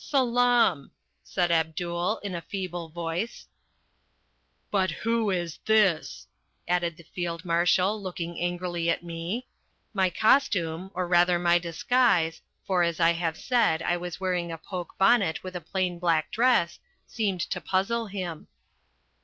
"Salaam!" said Abdul, in a feeble voice. "But who is this?" added the Field Marshal, looking angrily at me. My costume, or rather my disguise, for, as I have said, I was wearing a poke bonnet with a plain black dress, seemed to puzzle him.